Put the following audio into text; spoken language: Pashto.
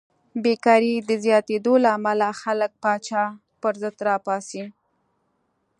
بېکارۍ د زیاتېدو له امله خلک پاچا پرضد راپاڅي.